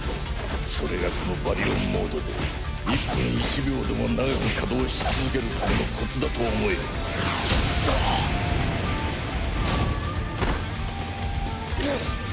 それがこのバリオンモードで１分１秒でも長く稼働し続けるためのコツだと思えぐわっ。